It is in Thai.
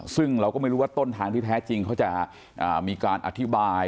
ซึ่งเราก็ไม่รู้ว่าต้นทางที่แท้จริงเขาจะมีการอธิบาย